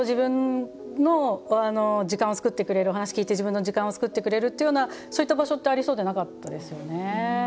それでお話を聞いて自分の時間を作ってくれるというようなそういった場所ってありそうでなかったですよね。